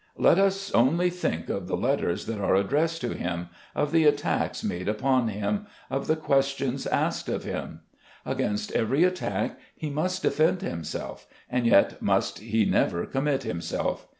Let us only think of the letters that are addressed to him, of the attacks made upon him, of the questions asked of him. Against every attack he must defend himself, and yet must he never commit himself.